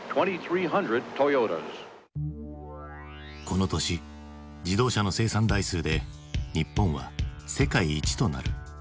この年自動車の生産台数で日本は世界一となる。